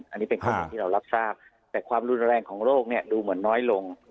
อันนี้เป็นข้อมูลที่เรารับทราบแต่ความรุนแรงของโรคเนี่ยดูเหมือนน้อยลง